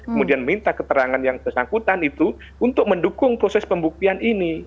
kemudian minta keterangan yang bersangkutan itu untuk mendukung proses pembuktian ini